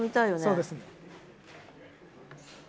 そうですね。